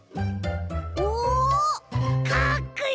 おおかっこいい！